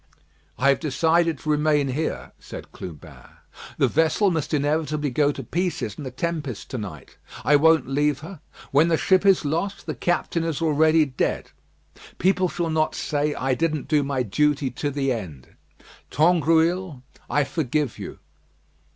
"I have decided to remain here," said Clubin. "The vessel must inevitably go to pieces in the tempest to night. I won't leave her. When the ship is lost, the captain is already dead. People shall not say I didn't do my duty to the end. Tangrouille, I forgive you."